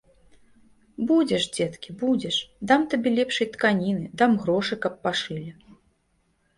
Будзеш, дзеткі, будзеш, дам табе лепшай тканіны, дам грошы, каб пашылі.